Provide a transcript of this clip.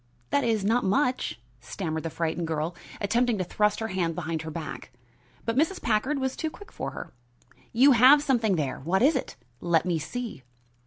that is, not much," stammered the frightened girl, attempting to thrust her hand behind her back. But Mrs. Packard was too quick for her. "You have something there! What is it? Let me see."